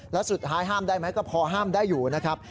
แล้วสุดท้ายห้ามได้ไหมก็พอห้ามได้อยู่นะครับ